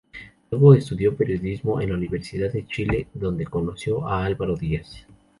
Luego estudió periodismo en la Universidad de Chile, donde conoció a Álvaro Díaz.